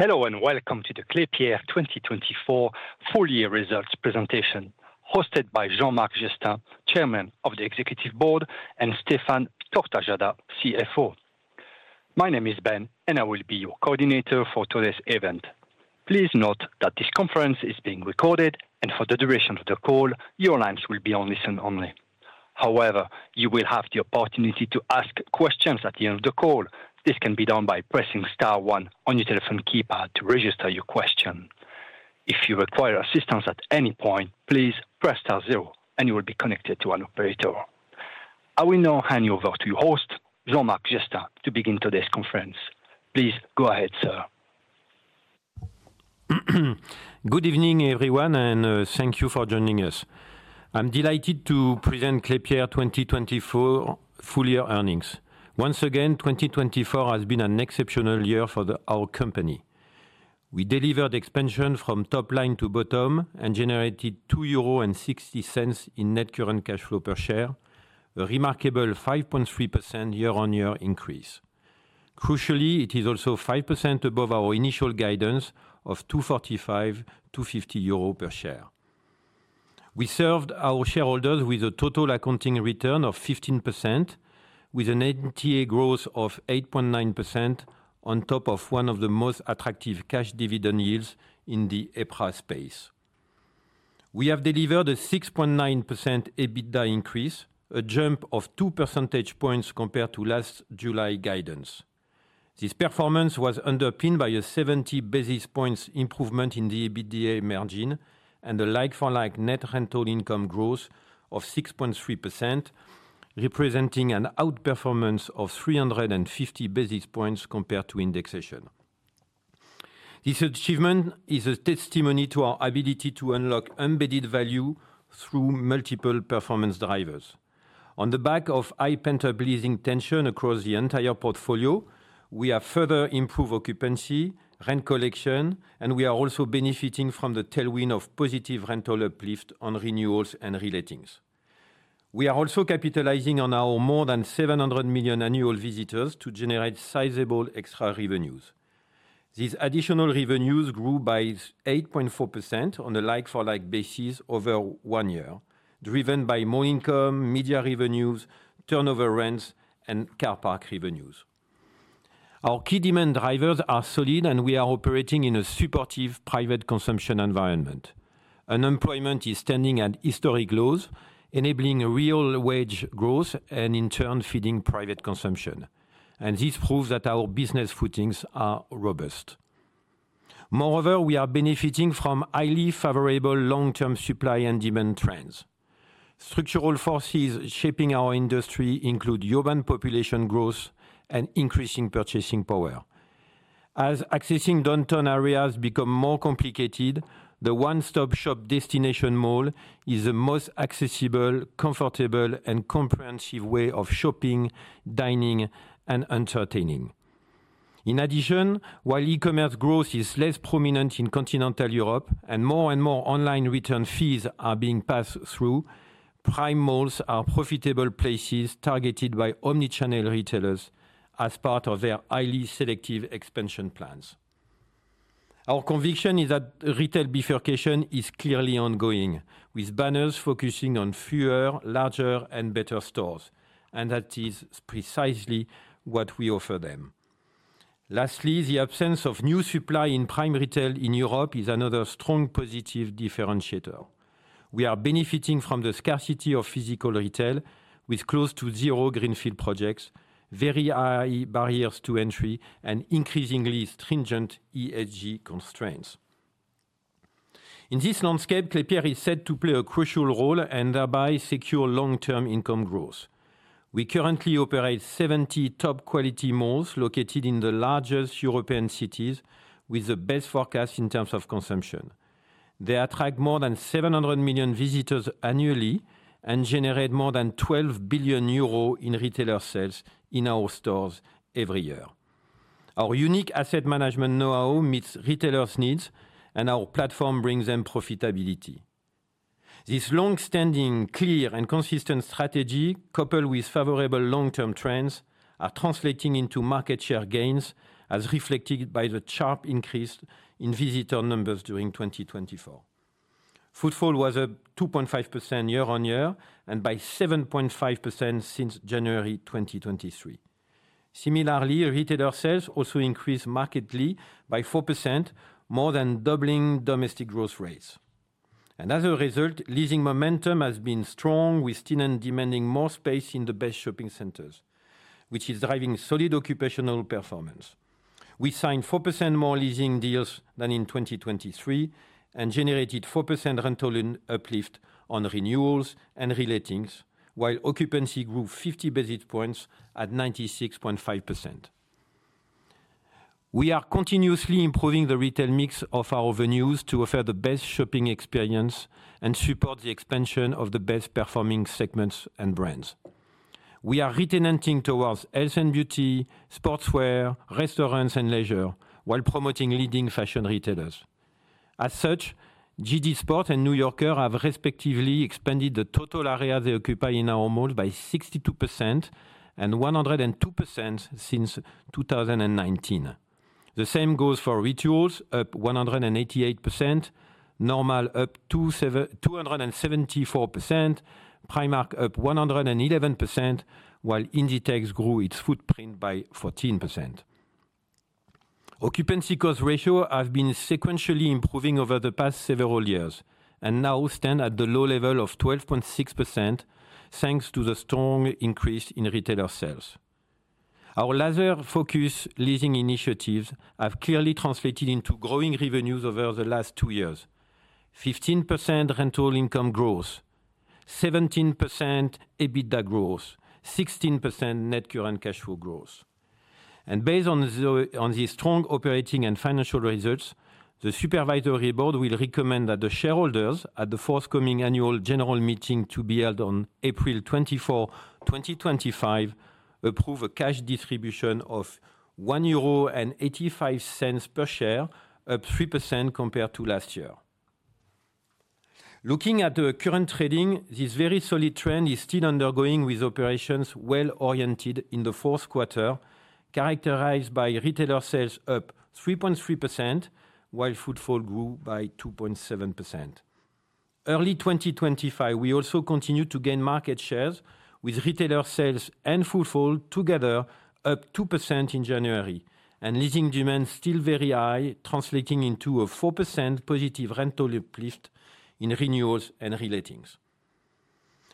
Hello and welcome to the Klépierre 2024 full-year results presentation, hosted by Jean-Marc Jestin, Chairman of the Executive Board, and Stéphane Tortajada, CFO. My name is Ben, and I will be your coordinator for today's event. Please note that this conference is being recorded, and for the duration of the call, your lines will be on listen only. However, you will have the opportunity to ask questions at the end of the call. This can be done by pressing Star 1 on your telephone keypad to register your question. If you require assistance at any point, please press Star 0, and you will be connected to an operator. I will now hand you over to your host, Jean-Marc Jestin, to begin today's conference. Please go ahead, sir. Good evening, everyone, and thank you for joining us. I'm delighted to present Klépierre 2024 full-year earnings. Once again, 2024 has been an exceptional year for our company. We delivered expansion from top line to bottom line and generated 2.60 euros in net current cash flow per share, a remarkable 5.3% year-on-year increase. Crucially, it is also 5% above our initial guidance of 2.45-2.50 euro per share. We served our shareholders with a total accounting return of 15%, with an 8.9% year-on-year growth on top of one of the most attractive cash dividend yields in the EPRA space. We have delivered a 6.9% EBITDA increase, a jump of 2 percentage points compared to last July guidance. This performance was underpinned by a 70 basis points improvement in the EBITDA margin and a like-for-like net rental income growth of 6.3%, representing an outperformance of 350 basis points compared to indexation. This achievement is a testimony to our ability to unlock embedded value through multiple performance drivers. On the back of high pent-up leasing tension across the entire portfolio, we have further improved occupancy, rent collection, and we are also benefiting from the tailwind of positive rental uplift on renewals and re-lettings. We are also capitalizing on our more than 700 million annual visitors to generate sizable extra revenues. These additional revenues grew by 8.4% on a like-for-like basis over one year, driven by more income, media revenues, turnover rents, and car park revenues. Our key demand drivers are solid, and we are operating in a supportive private consumption environment. Unemployment is standing at historic lows, enabling real wage growth and, in turn, feeding private consumption, and this proves that our business footings are robust. Moreover, we are benefiting from highly favorable long-term supply and demand trends. Structural forces shaping our industry include urban population growth and increasing purchasing power. As accessing downtown areas becomes more complicated, the one-stop-shop destination mall is the most accessible, comfortable, and comprehensive way of shopping, dining, and entertaining. In addition, while e-commerce growth is less prominent in continental Europe and more and more online return fees are being passed through, prime malls are profitable places targeted by omnichannel retailers as part of their highly selective expansion plans. Our conviction is that retail bifurcation is clearly ongoing, with banners focusing on fewer, larger, and better stores, and that is precisely what we offer them. Lastly, the absence of new supply in prime retail in Europe is another strong positive differentiator. We are benefiting from the scarcity of physical retail, with close to zero greenfield projects, very high barriers to entry, and increasingly stringent ESG constraints. In this landscape, Klépierre is set to play a crucial role and thereby secure long-term income growth. We currently operate 70 top-quality malls located in the largest European cities, with the best forecasts in terms of consumption. They attract more than 700 million visitors annually and generate more than 12 billion euro in retailer sales in our stores every year. Our unique asset management know-how meets retailers' needs, and our platform brings them profitability. This long-standing, clear, and consistent strategy, coupled with favorable long-term trends, is translating into market share gains, as reflected by the sharp increase in visitor numbers during 2024. Footfall was up 2.5% year-on-year and by 7.5% since January 2023. Similarly, retailer sales also increased markedly by 4%, more than doubling domestic growth rates. As a result, leasing momentum has been strong, with tenants demanding more space in the best shopping centers, which is driving solid occupancy performance. We signed 4% more leasing deals than in 2023 and generated 4% rental uplift on renewals and re-lettings, while occupancy grew 50 basis points at 96.5%. We are continuously improving the retail mix of our venues to offer the best shopping experience and support the expansion of the best-performing segments and brands. We are re-tenanting towards health and beauty, sportswear, restaurants, and leisure, while promoting leading fashion retailers. As such, JD Sports and New Yorker have respectively expanded the total area they occupy in our malls by 62% and 102% since 2019. The same goes for Rituals, up 188%, Normal up 274%, Primark up 111%, while Inditex grew its footprint by 14%. Occupancy cost ratios have been sequentially improving over the past several years and now stand at the low level of 12.6%, thanks to the strong increase in retailer sales. Our laser-focused leasing initiatives have clearly translated into growing revenues over the last two years: 15% rental income growth, 17% EBITDA growth, 16% net current cash flow growth. Based on these strong operating and financial results, the Supervisory Board will recommend that the shareholders, at the forthcoming annual general meeting to be held on April 24, 2025, approve a cash distribution of 1.85 euro per share, up 3% compared to last year. Looking at the current trading, this very solid trend is still undergoing, with operations well oriented in the fourth quarter, characterized by retailer sales up 3.3%, while footfall grew by 2.7%. Early 2025, we also continued to gain market shares, with retailer sales and footfall together up 2% in January, and leasing demand still very high, translating into a 4% positive rental uplift in renewals and re-lettings.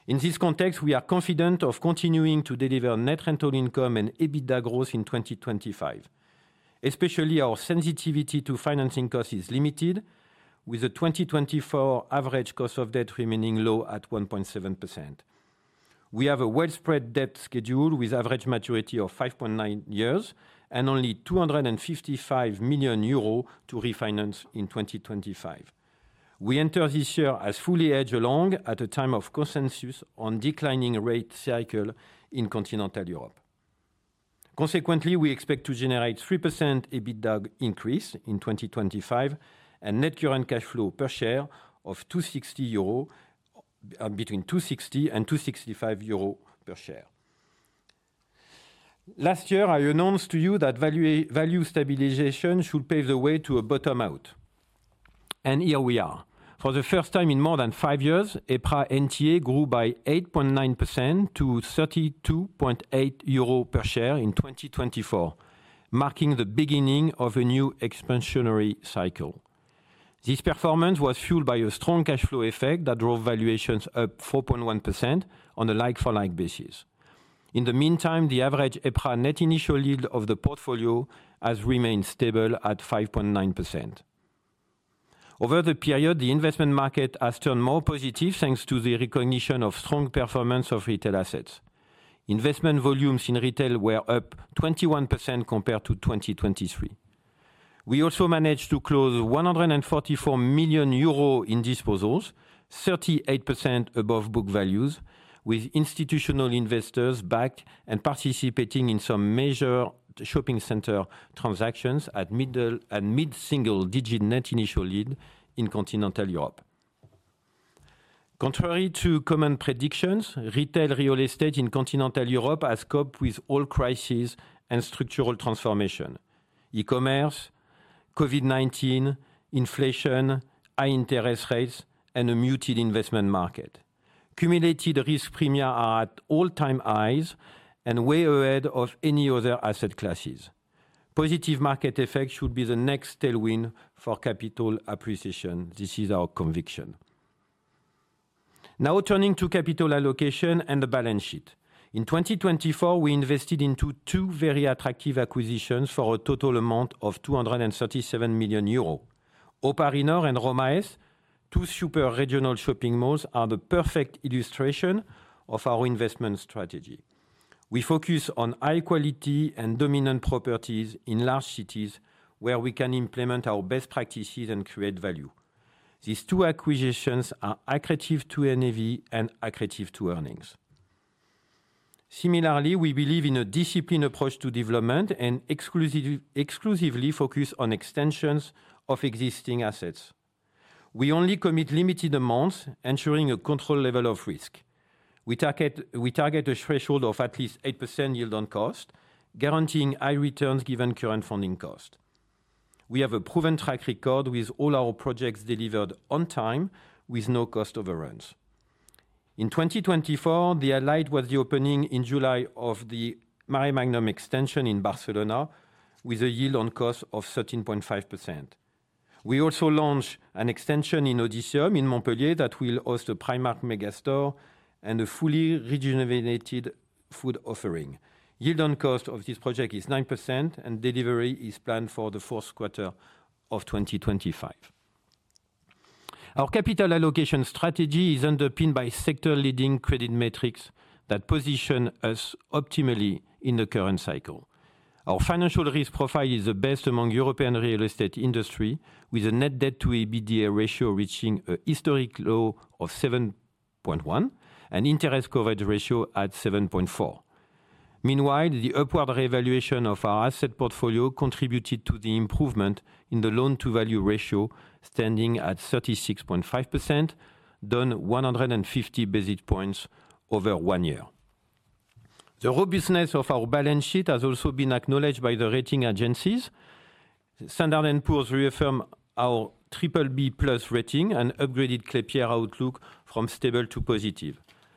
In this context, we are confident of continuing to deliver net rental income and EBITDA growth in 2025. Especially, our sensitivity to financing costs is limited, with the 2024 average cost of debt remaining low at 1.7%. We have a well-spread debt schedule, with an average maturity of 5.9 years and only 255 million euro to refinance in 2025. We enter this year fully hedged at a time of consensus on a declining rate cycle in continental Europe. Consequently, we expect to generate a 3% EBITDA increase in 2025 and a net current cash flow per share of 2.60 euro, between 2.60 and 2.65 euro per share. Last year, I announced to you that value stabilization should pave the way to a bottom-out. And here we are. For the first time in more than five years, EPRA NTA grew by 8.9% to 32.8 euro per share in 2024, marking the beginning of a new expansionary cycle. This performance was fueled by a strong cash flow effect that drove valuations up 4.1% on a like-for-like basis. In the meantime, the average EPRA net initial yield of the portfolio has remained stable at 5.9%. Over the period, the investment market has turned more positive thanks to the recognition of strong performance of retail assets. Investment volumes in retail were up 21% compared to 2023. We also managed to close 144 million euro in disposals, 38% above book values, with institutional investors back and participating in some major shopping center transactions at mid-single-digit net initial yield in continental Europe. Contrary to common predictions, retail real estate in continental Europe has coped with all crises and structural transformation: e-commerce, COVID-19, inflation, high interest rates, and a muted investment market. Cumulative risk premiums are at all-time highs and way ahead of any other asset classes. Positive market effects should be the next tailwind for capital appreciation. This is our conviction. Now, turning to capital allocation and the balance sheet. In 2024, we invested in two very attractive acquisitions for a total amount of 237 million euros. O'Parinor and RomaEst, two super regional shopping malls, are the perfect illustration of our investment strategy. We focus on high-quality and dominant properties in large cities where we can implement our best practices and create value. These two acquisitions are attractive to NAV and attractive to earnings. Similarly, we believe in a disciplined approach to development and exclusively focus on extensions of existing assets. We only commit limited amounts, ensuring a controlled level of risk. We target a threshold of at least 8% yield on cost, guaranteeing high returns given current funding cost. We have a proven track record with all our projects delivered on time, with no cost overruns. In 2024, the highlight was the opening in July of the Maremagnum extension in Barcelona, with a yield on cost of 13.5%. We also launched an extension in Odysseum in Montpellier that will host a Primark megastore and a fully regenerated food offering. Yield on cost of this project is 9%, and delivery is planned for the fourth quarter of 2025. Our capital allocation strategy is underpinned by sector-leading credit metrics that position us optimally in the current cycle. Our financial risk profile is the best among the European real estate industry, with a net Debt-to-EBITDA ratio reaching a historic low of 7.1 and an interest coverage ratio at 7.4. Meanwhile, the upward revaluation of our asset portfolio contributed to the improvement in the loan-to-value ratio, standing at 36.5%, down 150 basis points over one year. The robustness of our balance sheet has also been acknowledged by the rating agencies. Standard & Poor's reaffirmed our BBB plus rating and upgraded Klépierre's outlook from stable to positive.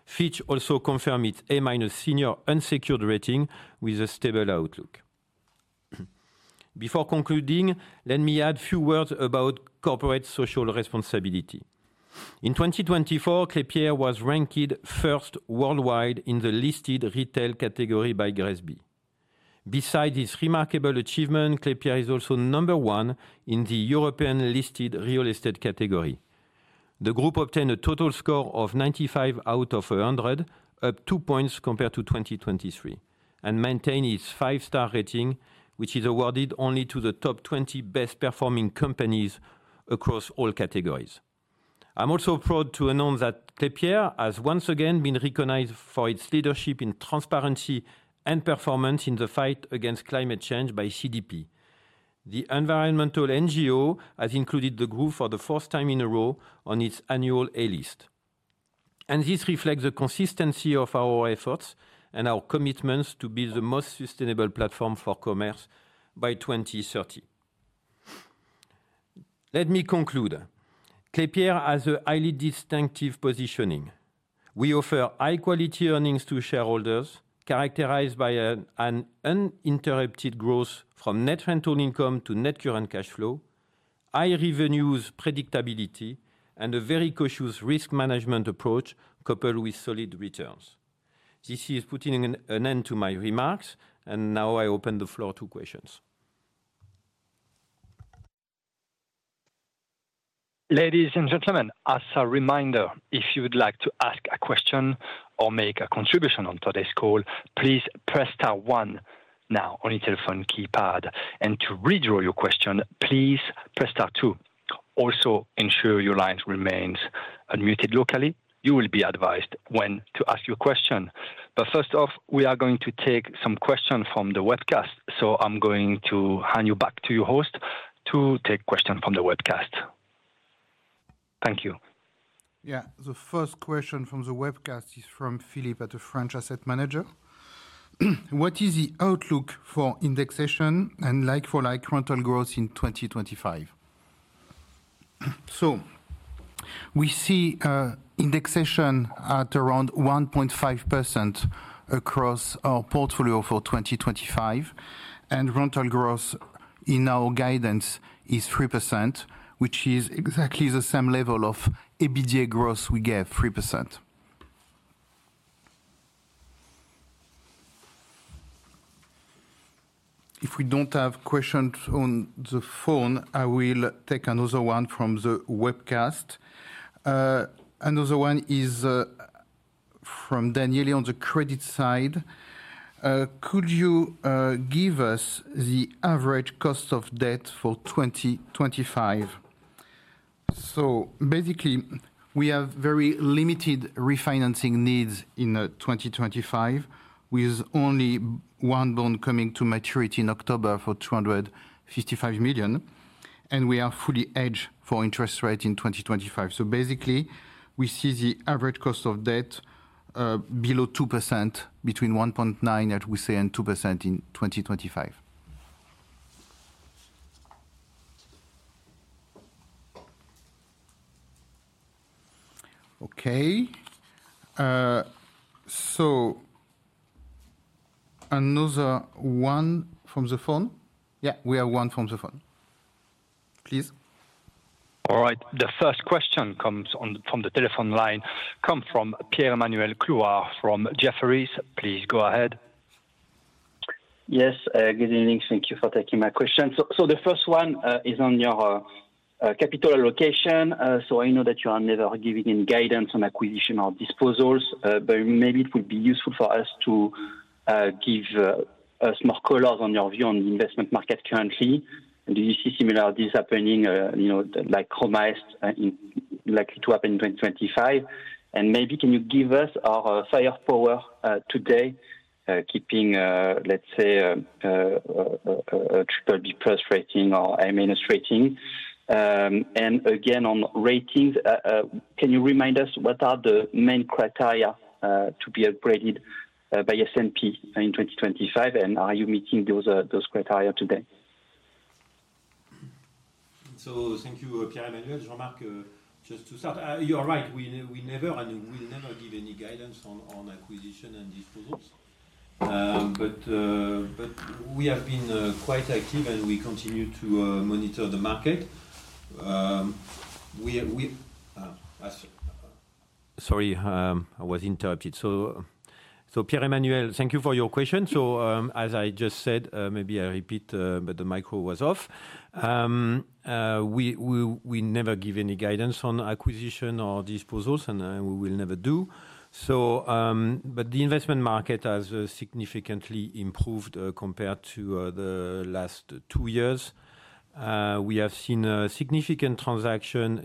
Fitch also confirmed its A-minus senior unsecured rating with a stable outlook. Before concluding, let me add a few words about corporate social responsibility. In 2024, Klépierre was ranked first worldwide in the listed retail category by GRESB. Besides its remarkable achievement, Klépierre is also number one in the European listed real estate category. The group obtained a total score of 95 out of 100, up two points compared to 2023, and maintained its five-star rating, which is awarded only to the top 20 best-performing companies across all categories. I'm also proud to announce that Klépierre has once again been recognized for its leadership in transparency and performance in the fight against climate change by CDP. The environmental NGO has included the group for the first time in a row on its annual A List. This reflects the consistency of our efforts and our commitments to build the most sustainable platform for commerce by 2030. Let me conclude. Klépierre has a highly distinctive positioning. We offer high-quality earnings to shareholders, characterized by an uninterrupted growth from net rental income to net current cash flow, high revenue predictability, and a very cautious risk management approach coupled with solid returns. This is putting an end to my remarks, and now I open the floor to questions. Ladies and gentlemen, as a reminder, if you would like to ask a question or make a contribution on today's call, please press star one now on your telephone keypad, and to withdraw your question, please press star two. Also, ensure your line remains unmuted locally. You will be advised when to ask your question, but first off, we are going to take some questions from the webcast, so I'm going to hand you back to your host to take questions from the webcast. Thank you. Yeah, the first question from the webcast is from Philippe at the French asset manager. What is the outlook for indexation and like-for-like rental growth in 2025? So we see indexation at around 1.5% across our portfolio for 2025. Rental growth in our guidance is 3%, which is exactly the same level of EBITDA growth we gave, 3%. If we don't have questions on the phone, I will take another one from the webcast. Another one is from Danielle on the credit side. Could you give us the average cost of debt for 2025? So basically, we have very limited refinancing needs in 2025, with only one bond coming to maturity in October for 255 million. And we are fully hedged for interest rates in 2025. So basically, we see the average cost of debt below 2%, between 1.9%, as we say, and 2% in 2025. Okay. So another one from the phone? Yeah, we have one from the phone. Please. All right. The first question comes from the telephone line from Pierre-Emmanuel Clouard from Jefferies. Please go ahead. Yes. Good evening. Thank you for taking my question. So the first one is on your capital allocation. So I know that you are never giving any guidance on acquisition or disposals, but maybe it would be useful for us to give us more colors on your view on the investment market currently. Do you see similarities happening like RomaEst likely to happen in 2025? And maybe can you give us our firepower today, keeping, let's say, a BBB plus rating or A-rating? And again, on ratings, can you remind us what are the main criteria to be upgraded by S&P in 2025? And are you meeting those criteria today? So thank you, Pierre-Emmanuel. Jean-Marc, just to start, you're right. We never and we'll never give any guidance on acquisition and disposals. But we have been quite active, and we continue to monitor the market. Sorry, I was interrupted. So Pierre-Emmanuel, thank you for your question. So as I just said, maybe I repeat, but the micro was off. We never give any guidance on acquisition or disposals, and we will never do. But the investment market has significantly improved compared to the last two years. We have seen a significant transaction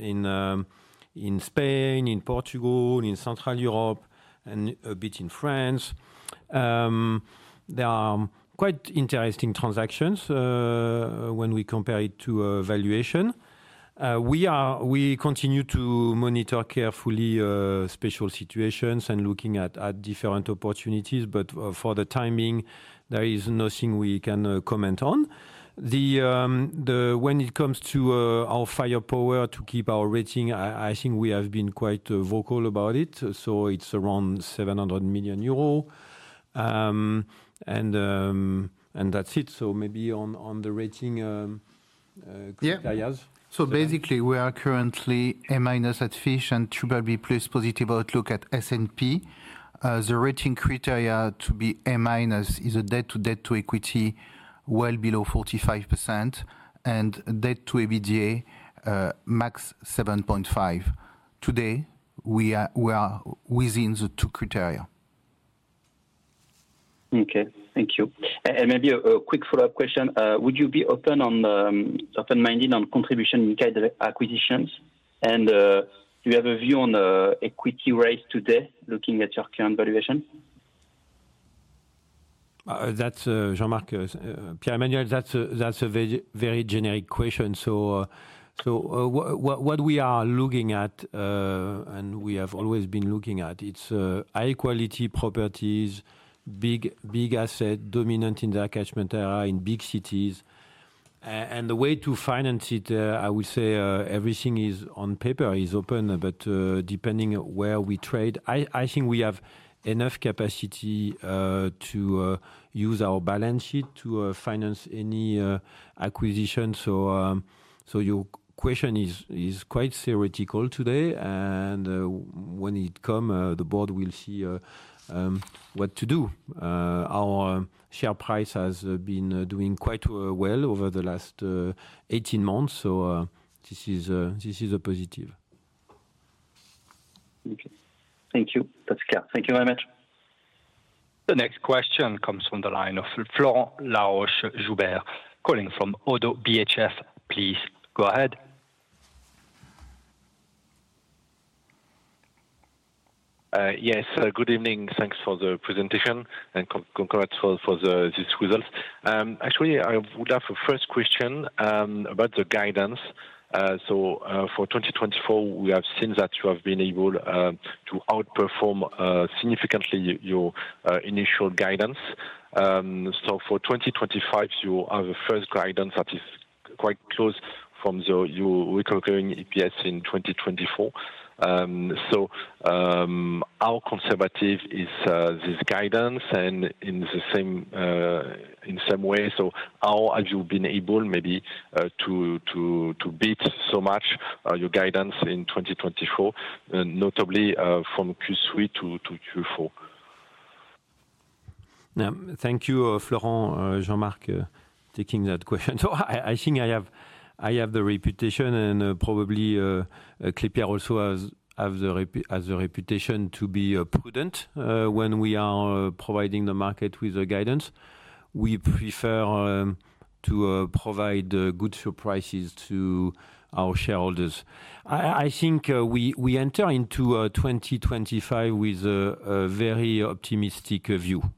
in Spain, in Portugal, in Central Europe, and a bit in France. There are quite interesting transactions when we compare it to valuation. We continue to monitor carefully special situations and looking at different opportunities. But for the timing, there is nothing we can comment on. When it comes to our firepower to keep our rating, I think we have been quite vocal about it. So it's around 700 million euro. And that's it. So maybe on the rating criteria. So basically, we are currently A- at Fitch and BBB plus positive outlook at S&P. The rating criteria to be A- is a debt-to-equity well below 45% and debt-to-EBITDA max 7.5. Today, we are within the two criteria. Okay. Thank you. And maybe a quick follow-up question. Would you be open or open-minded on contribution in acquisitions? And do you have a view on equity rates today, looking at your current valuation? Jean-Marc, Pierre-Emmanuel, that's a very generic question. So what we are looking at, and we have always been looking at, it's high-quality properties, big assets, dominant in the catchment area, in big cities. And the way to finance it, I would say everything is on paper, is open. But depending where we trade, I think we have enough capacity to use our balance sheet to finance any acquisition. So your question is quite theoretical today. And when it comes, the board will see what to do. Our share price has been doing quite well over the last 18 months. So this is a positive. Thank you. That's clear. Thank you very much. The next question comes from the line of Florent Laroche-Joubert, calling from ODDO BHF. Please go ahead. Yes. Good evening. Thanks for the presentation and congrats for these results. Actually, I would have a first question about the guidance. So for 2024, we have seen that you have been able to outperform significantly your initial guidance. So for 2025, you have a first guidance that is quite close from your recovering EPS in 2024. So how conservative is this guidance? And in the same way, so how have you been able maybe to beat so much your guidance in 2024, notably from Q3 to Q4? Thank you, Florent. Jean-Marc, taking that question. I think I have the reputation, and probably Klépierre also has the reputation to be prudent when we are providing the market with the guidance. We prefer to provide good surprises to our shareholders. I think we enter into 2025 with a very optimistic view.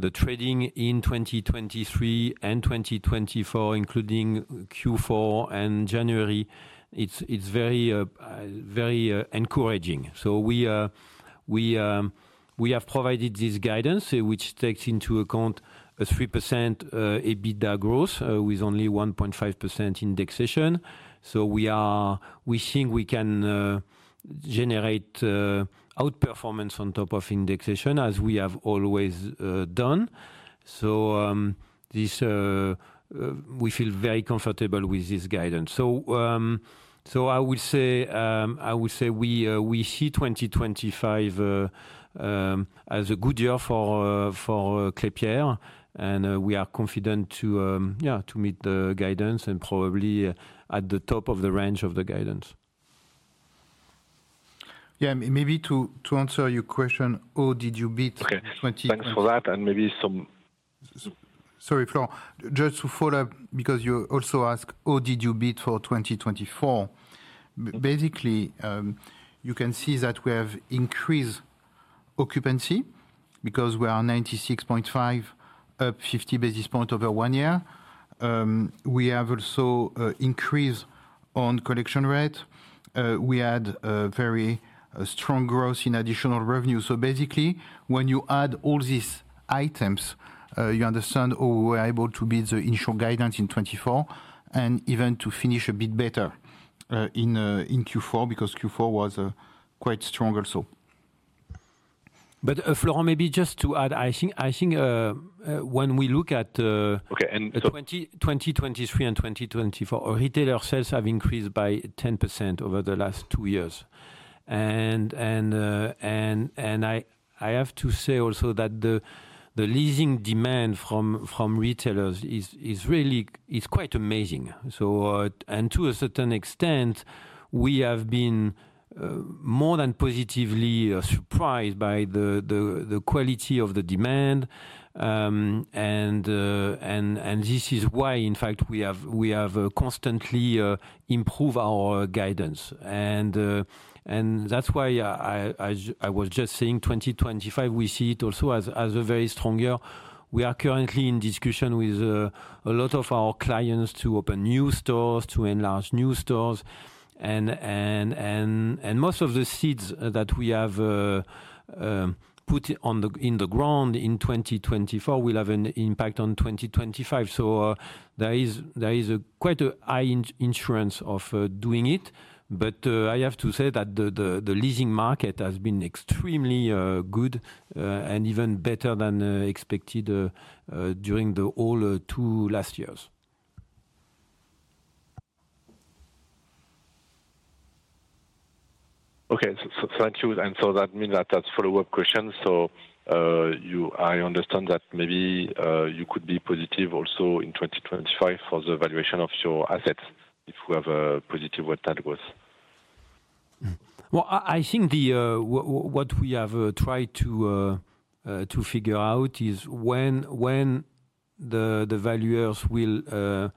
The trading in 2023 and 2024, including Q4 and January, it's very encouraging. We have provided this guidance, which takes into account a 3% EBITDA growth with only 1.5% indexation. We think we can generate outperformance on top of indexation, as we have always done. We feel very comfortable with this guidance. I would say we see 2025 as a good year for Klépierre. We are confident to meet the guidance and probably at the top of the range of the guidance. Yeah, maybe to answer your question, how did you beat 2024? Thanks for that and maybe some. Sorry, Florent, just to follow up because you also asked, how did you beat for 2024? Basically, you can see that we have increased occupancy because we are 96.5, up 50 basis points over one year. We have also increased on collection rate. We had a very strong growth in additional revenue. So basically, when you add all these items, you understand we were able to beat the initial guidance in 2024 and even to finish a bit better in Q4 because Q4 was quite strong also. But Florent, maybe just to add, I think when we look at 2023 and 2024, retailer sales have increased by 10% over the last two years. And I have to say also that the leasing demand from retailers is quite amazing. And to a certain extent, we have been more than positively surprised by the quality of the demand. This is why, in fact, we have constantly improved our guidance. That's why I was just saying 2025, we see it also as a very strong year. We are currently in discussion with a lot of our clients to open new stores, to enlarge new stores. Most of the seeds that we have put in the ground in 2024 will have an impact on 2025. There is quite a high assurance of doing it. I have to say that the leasing market has been extremely good and even better than expected during the whole last two years. Okay. Thank you. So that means that's a follow-up question. I understand that maybe you could be positive also in 2025 for the valuation of your assets if we have a positive rental growth. I think what we have tried to figure out is when the valuers will,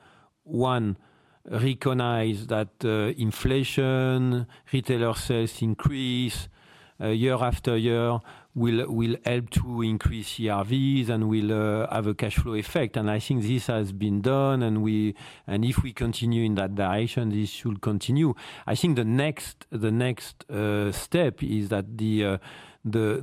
one, recognize that inflation, retailer sales increase year after year will help to increase ERVs and will have a cash flow effect, and I think this has been done, and if we continue in that direction, this should continue. I think the next step is that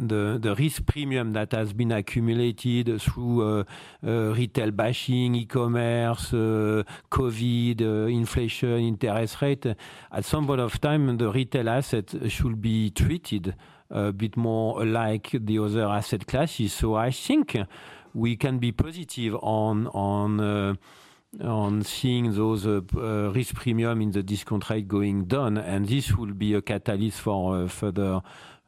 the risk premium that has been accumulated through retail bashing, e-commerce, COVID, inflation, interest rate, at some point of time, the retail asset should be treated a bit more like the other asset classes, so I think we can be positive on seeing those risk premium in the discount rate going down, and this will be a catalyst for further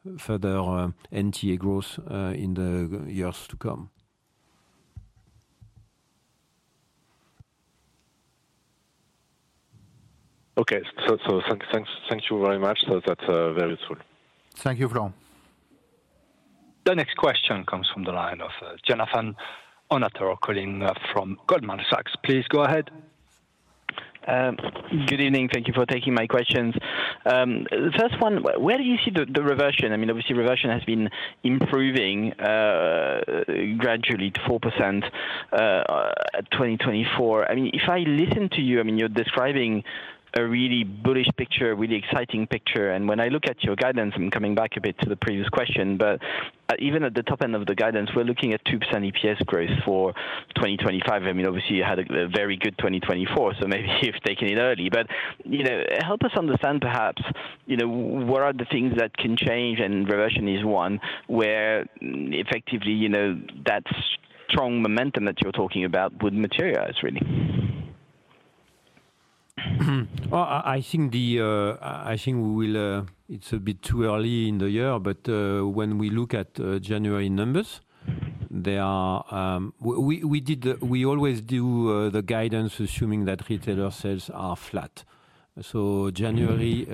NTA growth in the years to come. Okay. Thank you very much. That's very useful. Thank you, Florent. The next question comes from the line of Jonathan Kownator, calling from Goldman Sachs. Please go ahead. Good evening. Thank you for taking my questions. The first one, where do you see the reversion? I mean, obviously, reversion has been improving gradually to 4% at 2024. I mean, if I listen to you, I mean, you're describing a really bullish picture, a really exciting picture. And when I look at your guidance, I'm coming back a bit to the previous question, but even at the top end of the guidance, we're looking at 2% EPS growth for 2025. I mean, obviously, you had a very good 2024, so maybe you've taken it early. But help us understand perhaps what are the things that can change and reversion is one where effectively that strong momentum that you're talking about would materialize really. I think we will. It's a bit too early in the year, but when we look at January numbers, we always do the guidance assuming that retailer sales are flat. January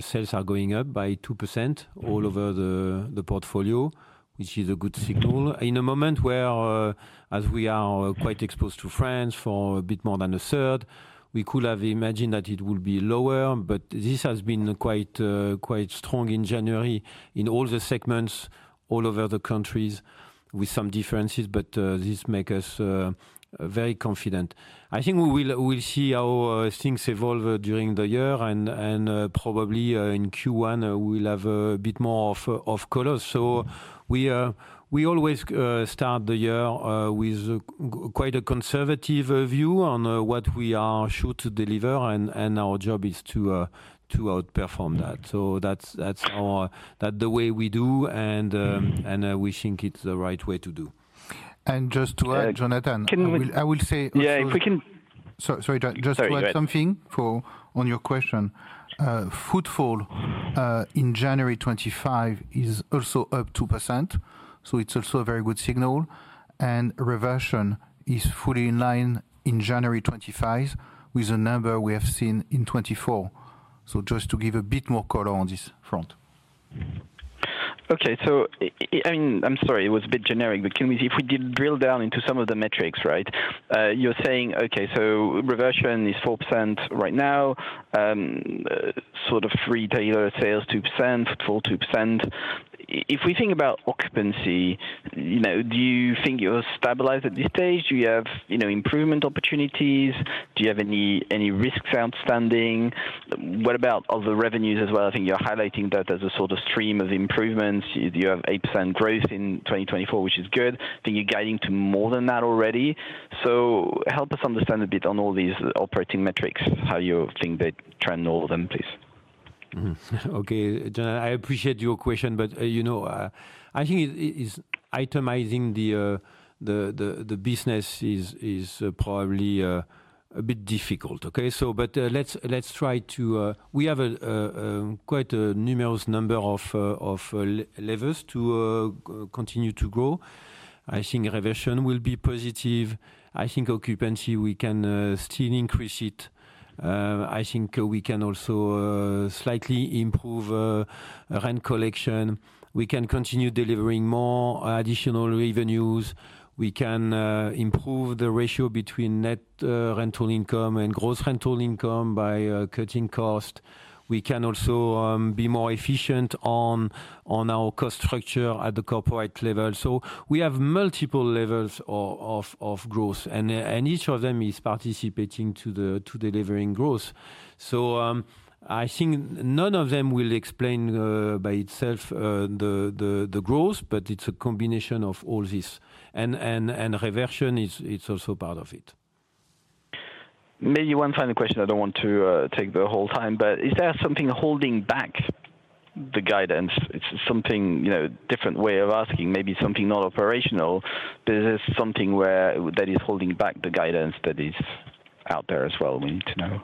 sales are going up by 2% all over the portfolio, which is a good signal. In a moment where, as we are quite exposed to France for a bit more than a third, we could have imagined that it would be lower, but this has been quite strong in January in all the segments all over the countries with some differences, but this makes us very confident. I think we will see how things evolve during the year, and probably in Q1, we'll have a bit more of colors. We always start the year with quite a conservative view on what we are sure to deliver, and our job is to outperform that. That's the way we do, and we think it's the right way to do. And just to add, Jonathan. Sorry, just to add something on your question. Footfall in January 2025 is also up 2%. So it's also a very good signal. And reversion is fully in line in January 2025 with the number we have seen in 2024. So just to give a bit more color on this front. Okay. So I mean, I'm sorry, it was a bit generic, but if we drill down into some of the metrics, right? You're saying, okay, so reversion is 4% right now, sort of retailer sales 2%, footfall 2%. If we think about occupancy, do you think you're stabilized at this stage? Do you have improvement opportunities? Do you have any risks outstanding? What about other revenues as well? I think you're highlighting that there's a sort of stream of improvements. You have 8% growth in 2024, which is good. I think you're guiding to more than that already. So help us understand a bit on all these operating metrics, how you think they trend all of them, please. Okay, Jonathan, I appreciate your question, but I think it's itemizing the business is probably a bit difficult. Okay. But let's try to, we have quite a numerous number of levers to continue to grow. I think reversion will be positive. I think occupancy, we can still increase it. I think we can also slightly improve rent collection. We can continue delivering more additional revenues. We can improve the ratio between net rental income and gross rental income by cutting cost. We can also be more efficient on our cost structure at the corporate level. We have multiple levels of growth, and each of them is participating to delivering growth. I think none of them will explain by itself the growth, but it's a combination of all this. And reversion, it's also part of it. Maybe one final question. I don't want to take the whole time, but is there something holding back the guidance? It's a different way of asking, maybe something non-operational. There is something that is holding back the guidance that is out there as well. We need to know.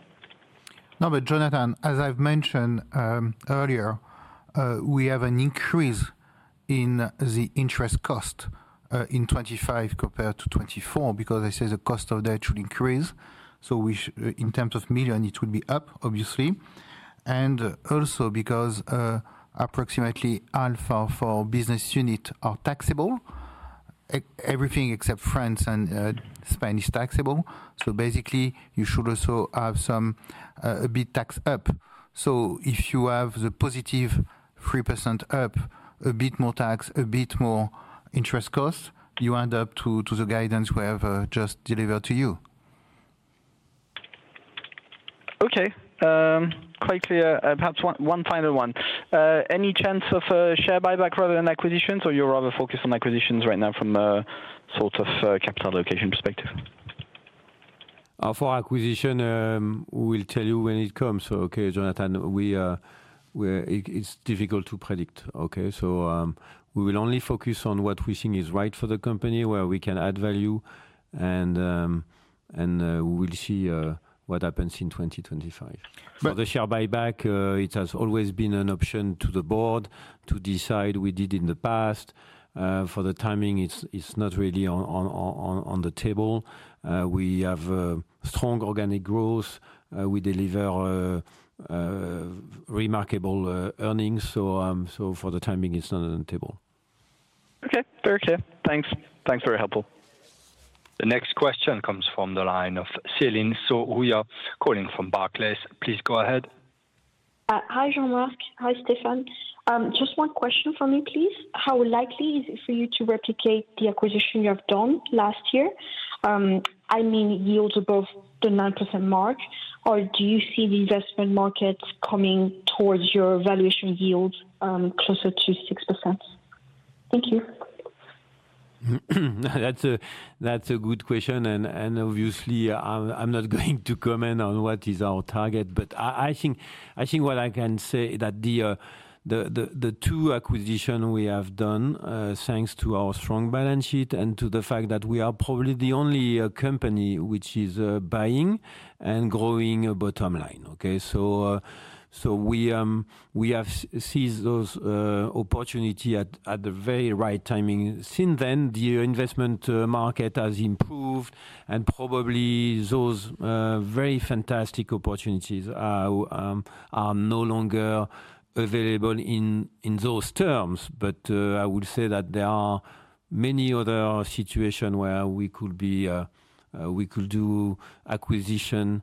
No, but Jonathan, as I've mentioned earlier, we have an increase in the interest cost in 2025 compared to 2024 because I say the cost of debt should increase. So in terms of million, it would be up, obviously. And also because approximately half of our business units are taxable, everything except France and Spain is taxable. So basically, you should also have a bit tax up. So if you have the positive 3% up, a bit more tax, a bit more interest cost, you end up to the guidance we have just delivered to you. Okay. Klépierre, perhaps one final one. Any chance of share buyback rather than acquisitions, or you're rather focused on acquisitions right now from a sort of capital allocation perspective? For acquisition, we'll tell you when it comes. Okay, Jonathan, it's difficult to predict. Okay. So we will only focus on what we think is right for the company, where we can add value, and we will see what happens in 2025. For the share buyback, it has always been an option to the board to decide. We did in the past. For the timing, it's not really on the table. We have strong organic growth. We deliver remarkable earnings. So for the timing, it's not on the table. Okay. Very clear. Thanks. Thanks for your help. The next question comes from the line of Celine Soo-Huynh calling from Barclays. Please go ahead. Hi, Jean-Marc, hi, Stéphane. Just one question for me, please. How likely is it for you to replicate the acquisition you have done last year? I mean, yields above the 9% mark, or do you see the investment markets coming towards your valuation yields closer to 6%? Thank you. That's a good question. And obviously, I'm not going to comment on what is our target, but I think what I can say is that the two acquisitions we have done, thanks to our strong balance sheet and to the fact that we are probably the only company which is buying and growing a bottom line. Okay. So we have seized those opportunities at the very right timing. Since then, the investment market has improved, and probably those very fantastic opportunities are no longer available in those terms. But I would say that there are many other situations where we could do acquisitions,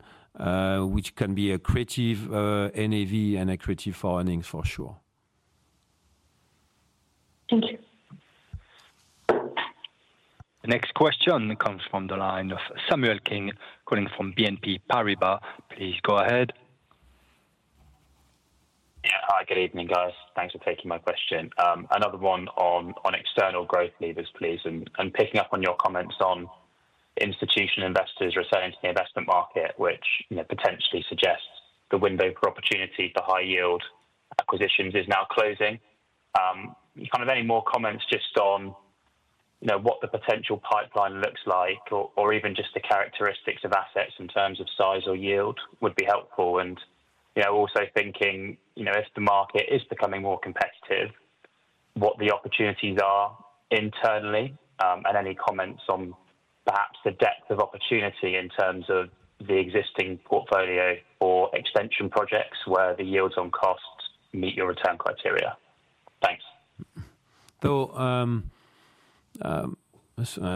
which can be accretive to NAV and accretive for earnings for sure. Thank you. The next question comes from the line of Samuel King, calling from BNP Paribas. Please go ahead. Yeah. Hi, good evening, guys. Thanks for taking my question. Another one on external growth levers, please. And picking up on your comments on institutional investors returning to the investment market, which potentially suggests the window for opportunity for high-yield acquisitions is now closing. Kind of any more comments just on what the potential pipeline looks like, or even just the characteristics of assets in terms of size or yield would be helpful. And also thinking if the market is becoming more competitive, what the opportunities are internally, and any comments on perhaps the depth of opportunity in terms of the existing portfolio or extension projects where the yields on costs meet your return criteria. Thanks. So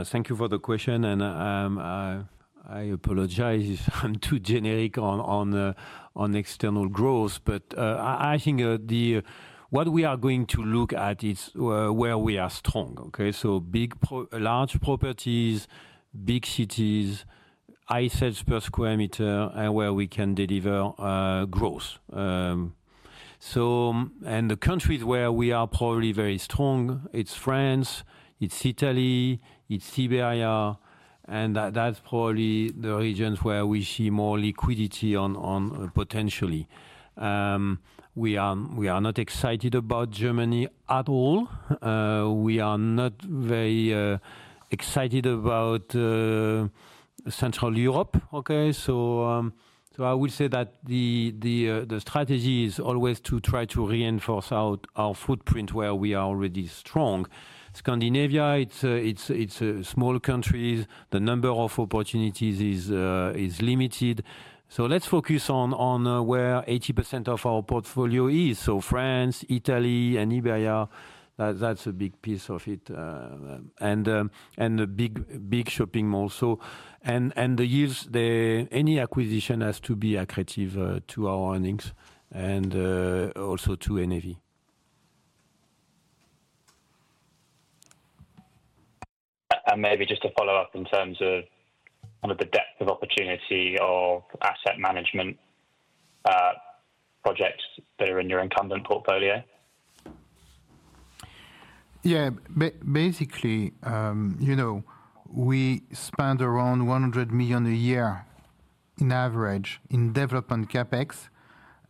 thank you for the question. And I apologize if I'm too generic on external growth, but I think what we are going to look at is where we are strong. Okay. So large properties, big cities, high sales per square meter, and where we can deliver growth. And the countries where we are probably very strong, it's France, it's Italy, it's Iberia. And that's probably the regions where we see more liquidity potentially. We are not excited about Germany at all. We are not very excited about Central Europe. Okay, so I would say that the strategy is always to try to reinforce our footprint where we are already strong. Scandinavia, it's a small country. The number of opportunities is limited, so let's focus on where 80% of our portfolio is: France, Italy, and Iberia. That's a big piece of it, and the big shopping malls. And the yields: any acquisition has to be accretive to our earnings and also to NAV. And maybe just to follow up in terms of kind of the depth of opportunity or asset management projects that are in your incumbent portfolio. Yeah. Basically, we spend around 100 million a year on average in development CapEx,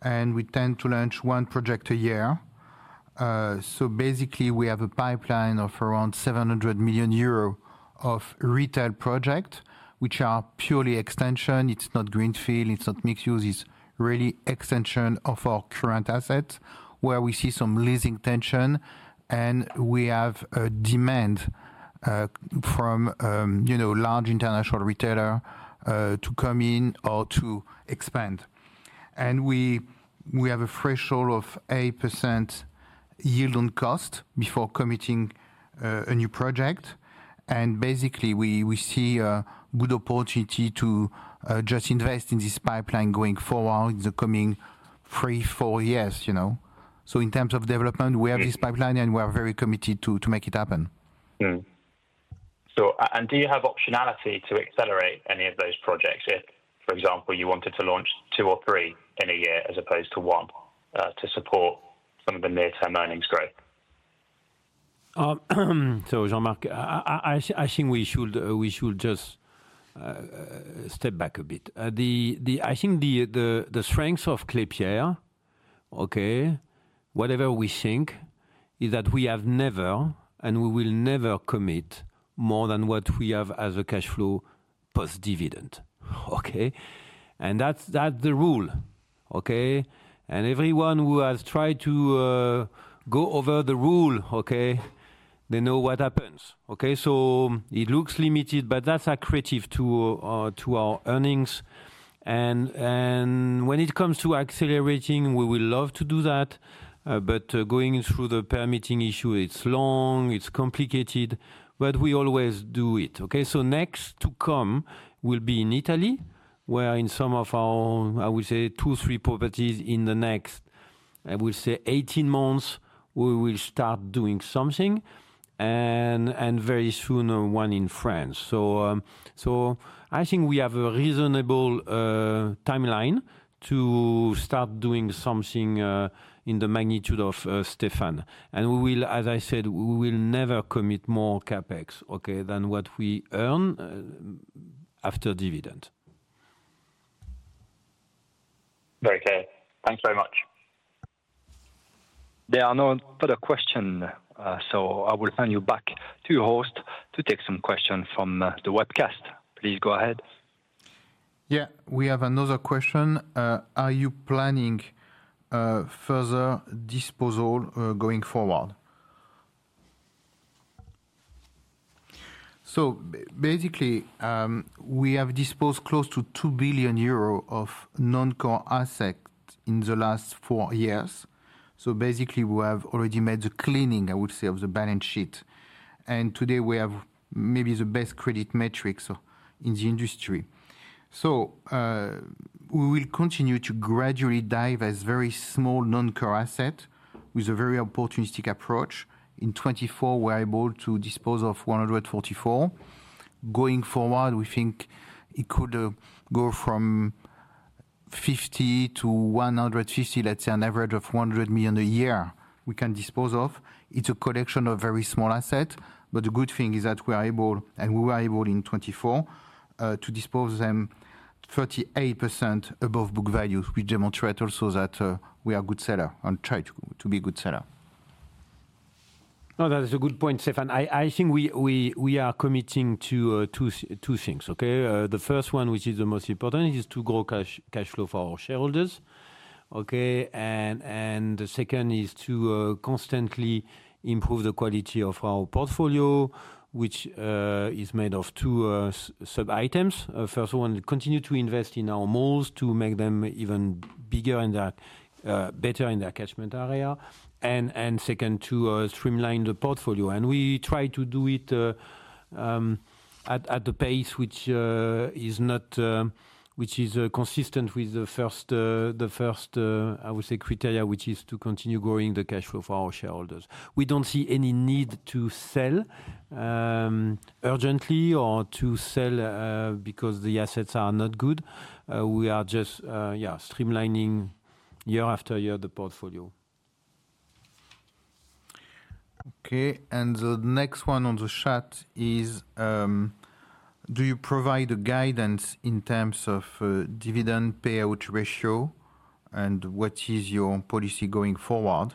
and we tend to launch one project a year. So basically, we have a pipeline of around 700 million euro of retail projects, which are purely extension. It's not greenfield. It's not mixed-use. It's really extension of our current assets where we see some leasing tension, and we have a demand from large international retailers to come in or to expand. And we have a threshold of 8% yield on cost before committing a new project. And basically, we see a good opportunity to just invest in this pipeline going forward in the coming three, four years. So in terms of development, we have this pipeline, and we are very committed to make it happen. So do you have optionality to accelerate any of those projects if, for example, you wanted to launch two or three in a year as opposed to one to support some of the near-term earnings growth? So, Jean-Marc, I think we should just step back a bit. I think the strengths of Klépierre, okay, whatever we think, is that we have never and we will never commit more than what we have as a cash flow post-dividend. Okay. And that's the rule. Okay. And everyone who has tried to go over the rule, okay, they know what happens. Okay. So it looks limited, but that's accretive to our earnings. And when it comes to accelerating, we would love to do that. But going through the permitting issue, it's long, it's complicated, but we always do it. Okay. So next to come will be in Italy, where in some of our, I would say, two, three properties in the next, I would say, 18 months, we will start doing something. And very soon, one in France. So I think we have a reasonable timeline to start doing something in the magnitude of Stéphane. And as I said, we will never commit more CapEx, okay, than what we earn after dividend. Very good. Thanks very much. There are no further questions. So I will hand you back to your host to take some questions from the webcast. Please go ahead. Yeah. We have another question. Are you planning further disposal going forward? So basically, we have disposed close to 2 billion euro of non-core assets in the last four years. So basically, we have already made the cleaning, I would say, of the balance sheet. And today, we have maybe the best credit metrics in the industry. So we will continue to gradually divest of very small non-core assets with a very opportunistic approach. In 2024, we're able to dispose of 144. Going forward, we think it could go from 50 million to 150 million, let's say, an average of 100 million a year we can dispose of. It's a collection of very small assets. But the good thing is that we are able, and we were able in 2024 to dispose of them 38% above book value, which demonstrates also that we are a good seller and try to be a good seller. No, that is a good point, Stéphane. I think we are committing to two things. Okay. The first one, which is the most important, is to grow cash flow for our shareholders. Okay. And the second is to constantly improve the quality of our portfolio, which is made of two sub-items. First one, continue to invest in our malls to make them even bigger and better in their catchment area. And second, to streamline the portfolio. We try to do it at the pace which is consistent with the first, I would say, criteria, which is to continue growing the cash flow for our shareholders. We don't see any need to sell urgently or to sell because the assets are not good. We are just streamlining year after year the portfolio. Okay. The next one on the chat is, do you provide a guidance in terms of dividend payout ratio and what is your policy going forward?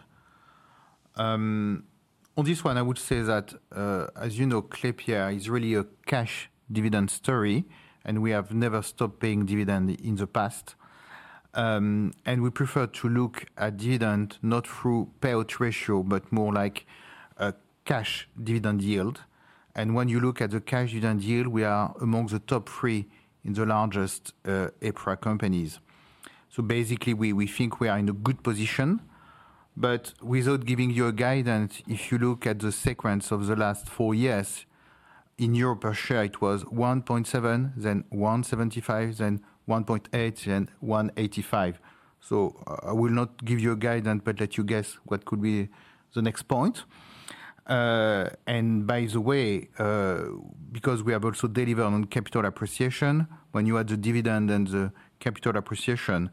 On this one, I would say that, as you know, Klépierre is really a cash dividend story, and we have never stopped paying dividend in the past. We prefer to look at dividend not through payout ratio, but more like cash dividend yield. When you look at the cash dividend yield, we are among the top three in the largest EPRA companies. So basically, we think we are in a good position. But without giving you a guidance, if you look at the sequence of the last four years, in Europe per share, it was 1.7, then 1.75, then 1.8, then 1.85. So I will not give you a guidance, but let you guess what could be the next point. And by the way, because we have also delivered on capital appreciation, when you add the dividend and the capital appreciation,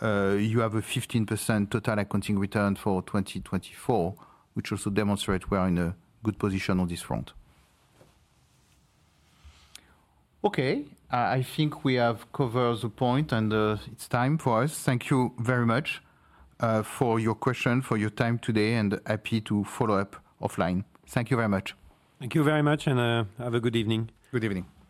you have a 15% total accounting return for 2024, which also demonstrates we are in a good position on this front. Okay. I think we have covered the point, and it's time for us. Thank you very much for your question, for your time today, and happy to follow up offline. Thank you very much. Thank you very much, and have a good evening. Good evening.